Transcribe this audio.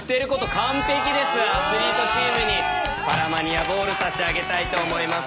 アスリートチームにパラマニアボール差し上げたいと思います。